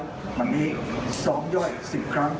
ในเวลาเดิมคือ๑๕นาทีครับ